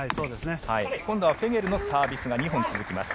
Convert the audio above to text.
今度はフェゲルのサービスが２本続きます。